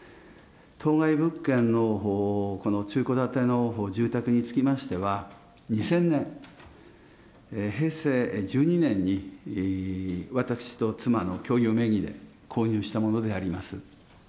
当該物件の中古建ての住宅につきましては、２０００年・平成１２年に私と妻の共有名義で購入したものであります。